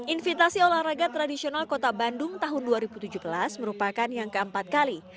invitasi olahraga tradisional kota bandung tahun dua ribu tujuh belas merupakan yang keempat kali